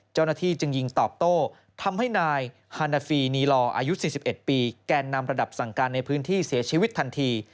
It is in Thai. เจ้าหน้าที่จึงยิงตอบโต้ทำให้นายฮานาฟีนีลออายุ๔๑ปีแกนนำระดับสั่งการในพื้นที่เสียชีวิตทันที